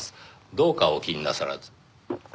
どうかお気になさらず。